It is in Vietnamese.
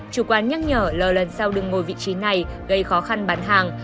chủ quán nhắc nhở l lần sau đừng ngồi vị trí này gây khó khăn bán hàng